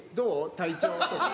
体調とか。